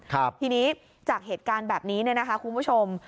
ทีนี้จากเหตุการณ์แบบนี้เนี่ยนะคะคุณผู้ชม